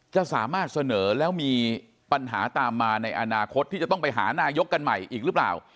จะสามารถเสนอแล้วมีปัญหาตามมาในอนาคตที่จะต้องไปหานายกกันใหม่อีกหรือเปล่า